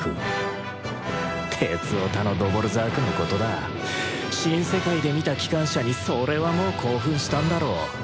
鉄オタのドヴォルザークのことだ「新世界」で見た機関車にそれはもう興奮したんだろう。